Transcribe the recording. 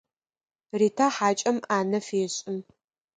Ритэ хьакӏэм ӏанэ фехьы.